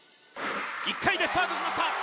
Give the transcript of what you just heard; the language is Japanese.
１回でスタートしました